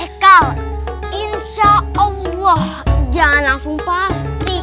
ekal insya allah jangan aku pasti